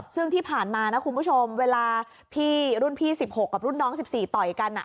ซึ่งที่ผ่านมานะคุณผู้ชมเวลาพี่รุ่นพี่๑๖กับรุ่นน้อง๑๔ต่อยกัน